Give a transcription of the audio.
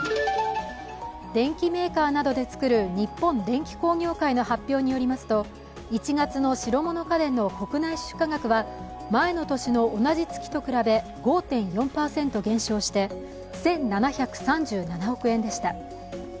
電機メーカーなどで作る日本電機工業会の発表によりますと、１月の白物家電の国内出荷額は前の年の同じ月と比べ、５．４％減少して１７３７億円でした。